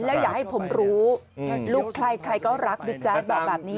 แล้วอย่าให้ผมรู้ลูกใครใครก็รักบิ๊กแจ๊ดบอกแบบนี้